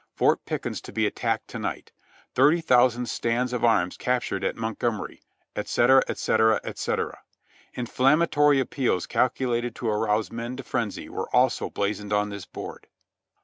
Fort Pickens to be attacked to night. Thirty Thousand Stands of Arms Captured at Montgomery," &c., &c., &c. Inflammatory appeals calculated to arouse men to frenzy were also blazoned on this board.